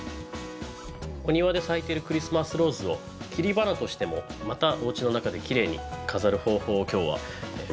お庭で咲いてるクリスマスローズを切り花としてもまたおうちの中できれいに飾る方法を今日はご紹介したいと思います。